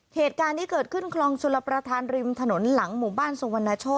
เหตุการณ์ที่เกิดขึ้นคลองชลประธานริมถนนหลังหมู่บ้านสุวรรณโช